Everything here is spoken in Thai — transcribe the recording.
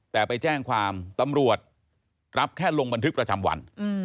แต่แน่นความว่าตำรวจแค่รับลงบันทึกประจำวัน